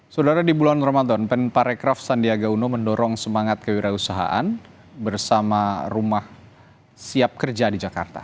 saudara di bulan ramadan pen parekraf sandiaga uno mendorong semangat kewirausahaan bersama rumah siap kerja di jakarta